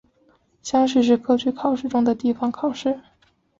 乡试是科举考试中的地方考试。